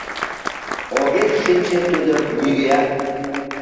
Огеш шинче тудым нигӧат